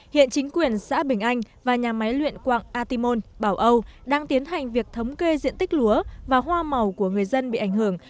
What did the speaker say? hiện chính quyền xã bình anh và nhà máy luyện quạng atimon bảo âu đang tiến hành việc thống kê diện tích lúa và hoa màu của người dân bị ảnh hưởng